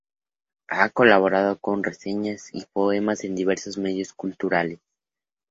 Ha colaborado con reseñas y poemas en diversos medios culturales.